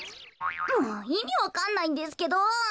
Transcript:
もういみわかんないんですけど。